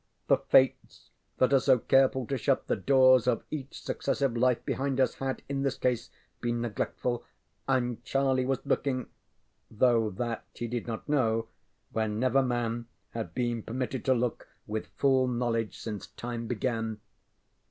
The Fates that are so careful to shut the doors of each successive life behind us had, in this case, been neglectful, and Charlie was looking, though that he did not know, where never man had been permitted to look with full knowledge since Time began.